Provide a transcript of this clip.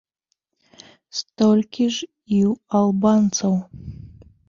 Столькі ж і ў албанцаў.